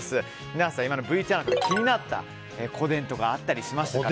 皆さん、今のＶＴＲの中で気になった個電はあったりしましたか？